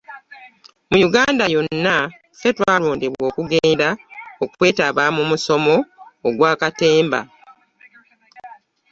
Mu Yuganda yonna, ffe twalondebwa okugenda okwetaba mu musomo ogwa katemba.